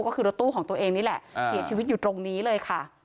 ก็คือรถตู้ของตัวเองนี่แหละเสียชีวิตอยู่ตรงนี้เลยค่ะ